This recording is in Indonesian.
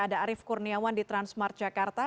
ada arief kurniawan di transmart jakarta